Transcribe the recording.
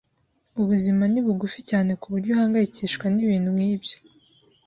Ubuzima ni bugufi cyane kuburyo uhangayikishwa nibintu nkibyo.